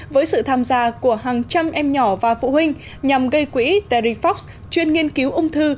với sự tham gia của hàng trăm em nhỏ và phụ huynh nhằm gây quỹ terriffox chuyên nghiên cứu ung thư